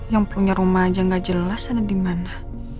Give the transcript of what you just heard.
yang punya rumah aja gak jelas ada di mana